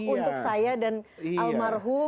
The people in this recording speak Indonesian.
untuk saya dan almarhum